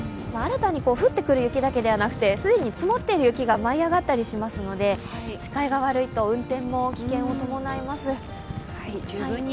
新たに降ってくる雪だけではなくて、既に積もっている雪が舞い上がったりしますので視界が悪いと運転も危険を伴います。